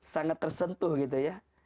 sangat tersentuh gitu ya